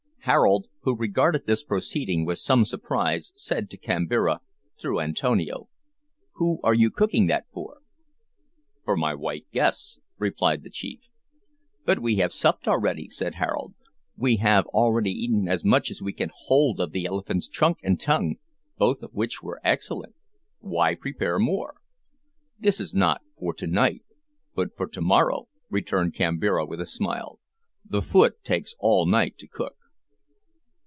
Harold, who regarded this proceeding with some surprise, said to Kambira through Antonio "Who are you cooking that for?" "For my white guests," replied the chief. "But we have supped already," said Harold; "we have already eaten as much as we can hold of the elephant's trunk and tongue, both of which were excellent why prepare more?" "This is not for to night, but for to morrow," returned Kambira, with a smile. "The foot takes all night to cook."